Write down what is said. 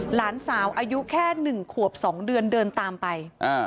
หลานสาวอายุแค่๑ขวบ๒เดือนเดินตามไป